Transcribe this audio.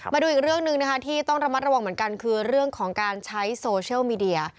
มาดูอีกเรื่องหนึ่งนะคะที่ต้องระมัดระวังเหมือนกันคือเรื่องของการใช้โซเชียลมีเดีย